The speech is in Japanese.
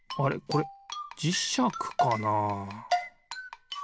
これじしゃくかな？